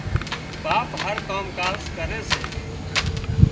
ٻاپ هر ڪام ڪاز ڪري سي